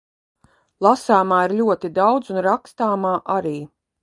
Lasāmā ir ļoti daudz un rakstāmā arī.